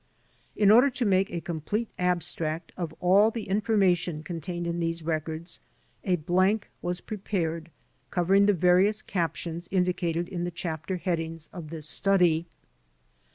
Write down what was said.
In order to make a complete abstract of all the infor mation contained in these records a blank was prepared covering the various captions indicated in the chapter headings of this study.